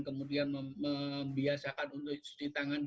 kemudian membiasakan untuk jaringan